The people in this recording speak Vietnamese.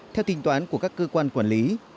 theo tính toán của các cơ quan quản lý